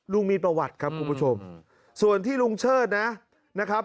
ลุงมีประวัติครับคุณผู้ชมส่วนที่ลุงเชิดนะครับ